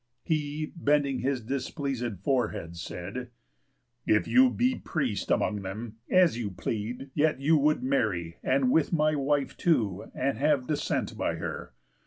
_ He, bending his displeaséd forehead, said: "If you be priest among them, as you plead, Yet you would marry, and with my wife too, And have descent by her.